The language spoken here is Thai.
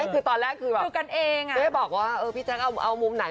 คือตอนแรกคือแบบเต้บอกว่าพี่แจ๊คเอามุมไหน